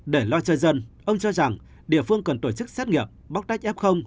để lo cho dân ông cho rằng địa phương cần tổ chức xét nghiệm bóc tách f